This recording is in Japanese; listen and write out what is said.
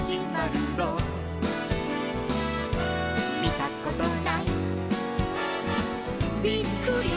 「みたことないびっくりするぞ」